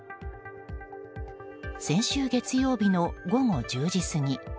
先週月曜日の午後１０時過ぎ。